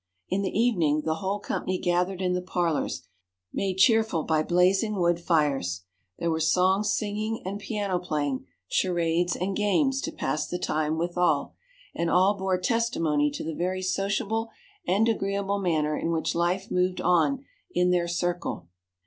In the evening the whole company gathered in the parlors, made cheerful by blazing wood fires. There were song singing and piano playing, charades and games, to pass the time withal; and all bore testimony to the very sociable and agreeable manner in which life moved on in their circle.